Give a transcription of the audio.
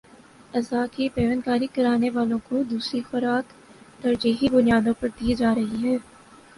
اعضا کی پیوند کاری کرانے والوں کو دوسری خوراک ترجیحی بنیادوں پر دی جارہی ہے